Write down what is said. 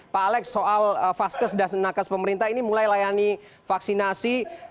pak alex soal vaskes dan nakas pemerintah ini mulai layani vaksinasi